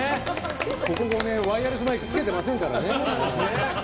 ここ５年ワイヤレスマイク着けてませんからね。